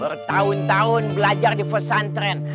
bertahun tahun belajar di pesantren